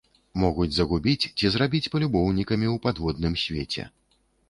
Могуць загубіць ці зрабіць палюбоўнікамі ў падводным свеце.